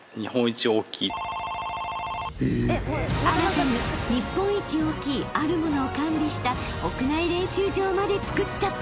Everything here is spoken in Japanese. ［新たに日本一大きいあるものを完備した屋内練習場までつくっちゃったんです］